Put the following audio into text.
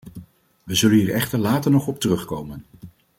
We zullen hier echter later nog op terugkomen.